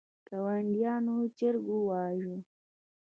ګاونډیانو چرګ وواژه.